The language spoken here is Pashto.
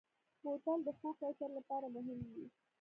بوتل د ښو کیفیت لپاره مهم وي.